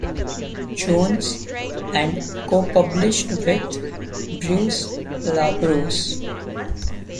Jones and co-published with Bruce LaBruce.